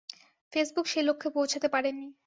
Facebook সে লক্ষ্যে পৌঁছাতে পারেনি।